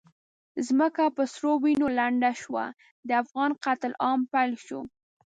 ځمکه په سرو وینو لنده شوه، د افغان قتل عام پیل شو.